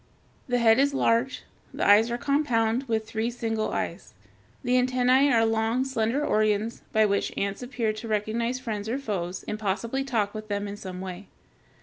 The head is large. The eyes are compound, with three single eyes. The antennæ are long, slender organs by which ants appear to recognize friends or foes, and possibly talk with them in some way.